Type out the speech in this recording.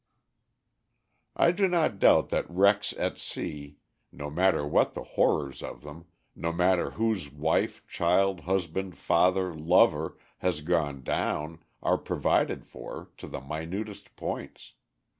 I do not doubt that wrecks at sea, no matter what the horrors of them, no matter whose wife, child, husband, father, lover, has gone down, are provided for, to the minutest points.